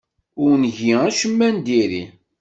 Ur ngi acemma n diri.